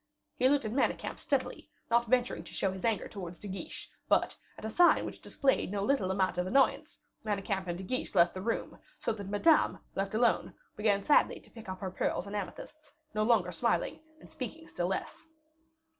He looked at Manicamp steadily, not venturing to show his anger towards De Guiche; but, at a sign which displayed no little amount of annoyance, Manicamp and De Guiche left the room, so that Madame, left alone, began sadly to pick up her pearls and amethysts, no longer smiling, and speaking still less.